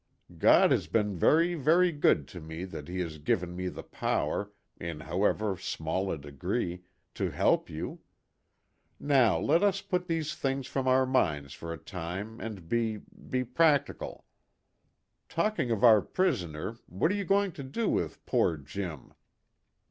God has been very, very good to me that He has given me the power, in however small a degree, to help you. Now let us put these things from our minds for a time and be be practical. Talking of our prisoner, what are you going to do with poor Jim?"